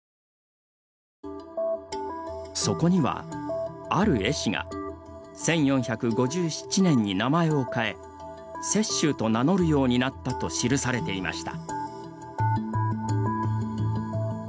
そこには、ある絵師が１４５７年に名前を変え雪舟と名乗るようになったと記されていました。